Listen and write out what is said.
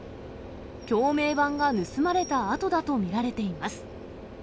橋名板が盗まれた跡だと見られています。